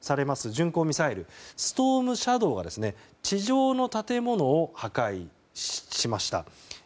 巡航ミサイルストームシャドーは地上の建物を破壊しました。